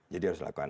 jadi harus dilakukan